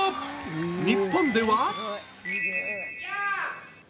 日本では？